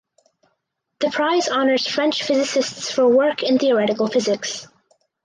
The prize honors French physicists for work in theoretical physics.